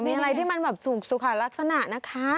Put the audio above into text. มีอะไรที่มันแบบสุขลักษณะนะคะ